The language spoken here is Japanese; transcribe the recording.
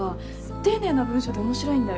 丁寧な文章で面白いんだよ